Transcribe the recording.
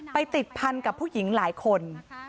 ติดพันกับผู้หญิงหลายคน